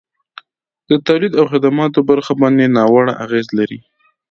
د تولید او خدماتو برخه باندي ناوړه اغیزه لري.